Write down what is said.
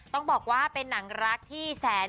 ต้องบอกว่าเป็นหนังรักที่แสน